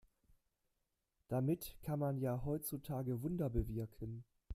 Damit kann man ja heutzutage Wunder bewirken.